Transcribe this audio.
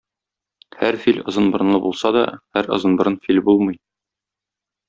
Һәр фил озын борынлы булса да, һәр озынборын фил булмый..